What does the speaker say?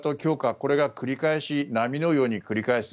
これが繰り返し波のように繰り返す。